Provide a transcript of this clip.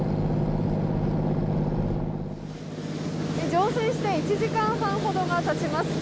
乗船して１時間ほどが経ちます。